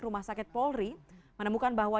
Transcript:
rumah sakit polri menemukan bahwa